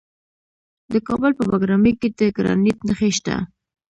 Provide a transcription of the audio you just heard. د کابل په بګرامي کې د ګرانیټ نښې شته.